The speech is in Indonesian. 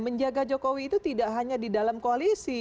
menjaga jokowi itu tidak hanya di dalam koalisi